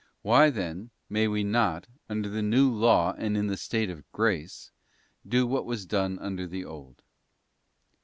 Why then, may we not, under the New Law and in the state of grace, do what was done under the Old?